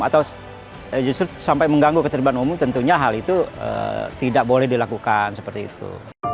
atau justru sampai mengganggu ketertiban umum tentunya hal itu tidak boleh dilakukan seperti itu